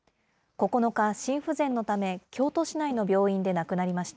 ９日、心不全のため、京都市内の病院で亡くなりました。